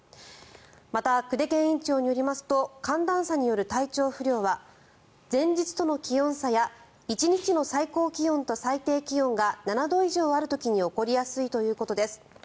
また、久手堅院長によりますと寒暖差による体調不良は前日との気温差や１日の最高気温と最低気温が７度以上ある時に起こりやすいということです。